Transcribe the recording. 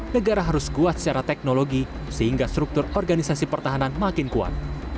negara harus kuat secara teknologi sehingga struktur organisasi pertahanan makin kuat